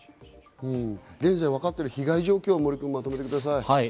現在分かっている被害状況をまとめてください。